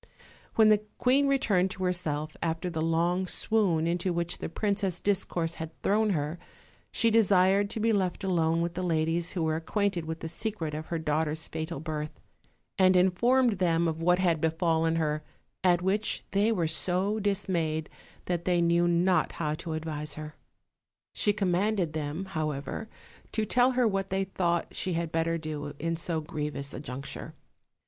When the queen returned to herself, after the long swoon into which the princess' discourse had thrown her, she desired to be left alone with the ladies who were ac quainted with the secret of her daughter's fatal birth; and informed them of what had befallen her, at which they were so dismayed that they knew not how to advise her. She commanded them, however, to tell her what they thought she had better do in so grievous a juncture.